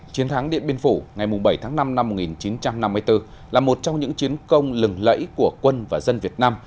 chiến thắng điện biên phủ ngày bảy tháng năm năm một nghìn chín trăm năm mươi bốn là một trong những chiến công lừng lẫy của quân và dân việt nam